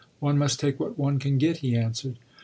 One must take what one can get," he answered.